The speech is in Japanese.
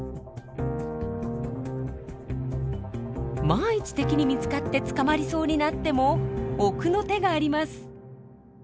万一敵に見つかって捕まりそうになっても奥の手があります。